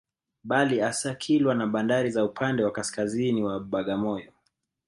Bali hasa Kilwa na bandari za upande wa kaskaziini wa Bagamoyo